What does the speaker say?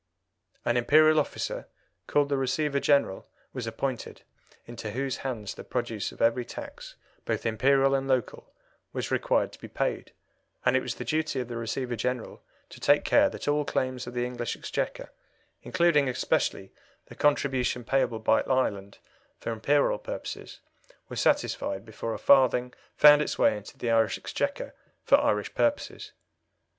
An Imperial officer, called the Receiver General, was appointed, into whose hands the produce of every tax, both Imperial and Local, was required to be paid, and it was the duty of the Receiver General to take care that all claims of the English Exchequer, including especially the contribution payable by Ireland for Imperial purposes, were satisfied before a farthing found its way into the Irish Exchequer for Irish purposes.